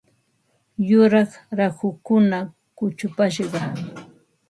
Yuraq rahukuna kuchupashqa.